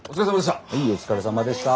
お疲れさまでした。